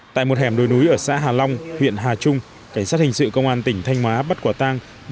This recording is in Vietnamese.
tại một hẻm đồi núi ở xã hà long huyện hà trung cảnh sát hình sự công an tỉnh thanh hóa bắt quả tang